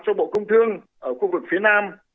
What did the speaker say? cho bộ công thương ở khu vực phía nam